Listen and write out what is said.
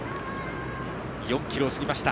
４ｋｍを過ぎました。